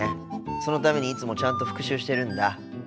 そのためにいつもちゃんと復習してるんだ。